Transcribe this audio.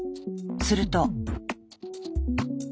すると。